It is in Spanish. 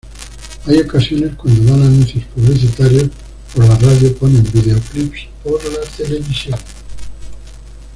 Hay ocasiones cuando dan anuncios publicitarios por la radio ponen videoclips por la televisión.